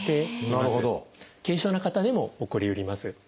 軽症な方でも起こりえます。